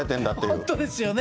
本当ですよね。